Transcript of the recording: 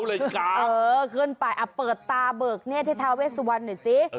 เออขึ้นไปเปิดตาเบิกเนธเท้าเวสุวรรณหน่อยสิ